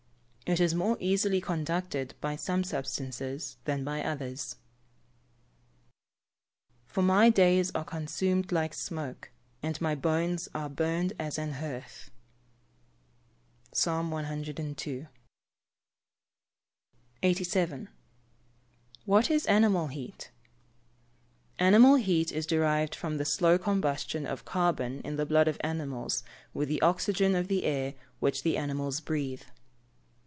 It is more easily conducted by some substances than by others. [Verse: "For my days are consumed like smoke, and my bones are burned as an hearth." PSALM CII.] 87. What is animal heat? Animal heat is derived from the slow combustion of carbon in the blood of animals with the oxygen of the air which the animals breathe.